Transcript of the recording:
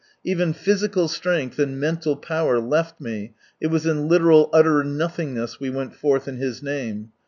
Even physical strength and menial power left me, it was in literal utter nothingness we went forth in His Name.